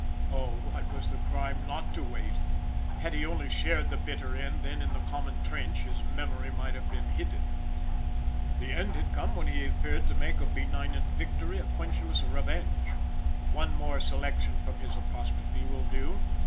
Oh! what was the crime not to wait! Had he only shared the bitter end, then, in the common trench, his memory might have been hidden. The end had come when he appeared to make of benignant victory a quenchless revenge. One more selection from his apostrophe will do.